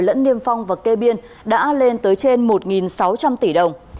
lẫn niêm phong và kê biên đã lên tới trên một sáu trăm linh tỷ đồng